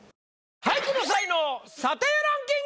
俳句の才能査定ランキング！